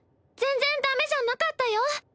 全然ダメじゃなかったよ。